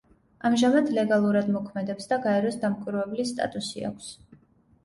ამჟამად ლეგალურად მოქმედებს და გაეროს დამკვირვებლის სტატუსი აქვს.